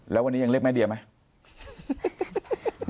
แล้ววันนี้ยังเรียกแม่เดียไหม